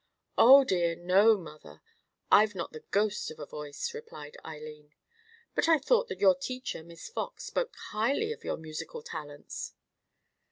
"Oh, dear me, no, mother; I have not the ghost of a voice," replied Eileen. "But I thought that your teacher, Miss Fox, spoke highly of your musical talents?"